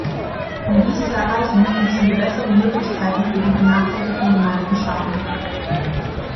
Um dies zu erreichen, müssen wir bessere Möglichkeiten für die benachteiligten Gemeinden schaffen.